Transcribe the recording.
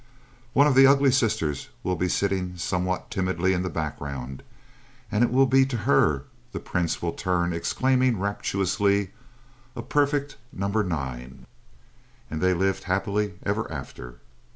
One of the ugly sisters will be sitting somewhat timidly in the background, and it will be to her the Prince will turn, exclaiming rapturously: "A perfect number nine!" And they lived happily ever after.